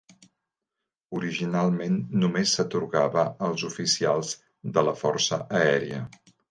Originalment només s'atorgava als oficials de la Força Aèria.